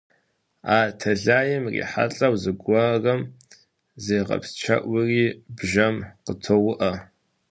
А тэлайм ирихьэлӏэу зыгуэрым зегъэпсчэуӏури бжэм къытоуӏуэ.